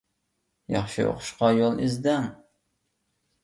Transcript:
ياخشى ئوقۇشقا يول ئىزدەڭ.